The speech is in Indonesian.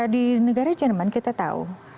di negara jerman kita tahu